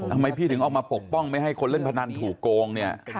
ทำไมพี่ถึงออกมาปกป้องไม่ให้คนเล่นพนันถูกโกงเนี่ย